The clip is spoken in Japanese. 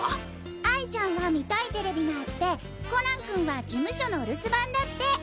哀ちゃんは見たいテレビがあってコナン君は事務所のお留守番だって。